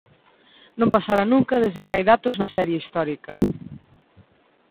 Non pasara nunca desde que hai datos na serie histórica.